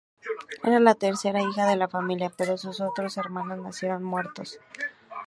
Era la tercera hija de la familia, pero sus otros hermanos nacieron muertos.